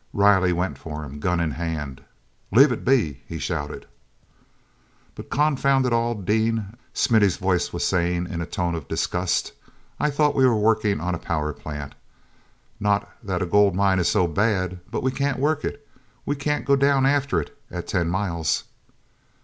Riley went for him, gun in hand. "L'ave it be!" he shouted. "But, confound it all, Dean," Smithy's voice was saying in a tone of disgust, "I thought we were working on a power plant. Not that a gold mine is so bad; but we can't work it—we can't go down after it at ten miles."